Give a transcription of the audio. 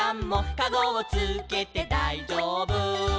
「かごをつけてだいじょうぶ」